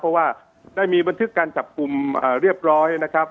เพราะว่าได้มีบันทึกการจับกลุ่มเรียบร้อยนะครับ